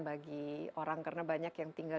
bagi orang karena banyak yang tinggal